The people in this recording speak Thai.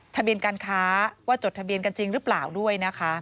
ทะเบียนการค้าว่าจดทะเบียนกันจริงหรือเปล่าด้วยนะคะ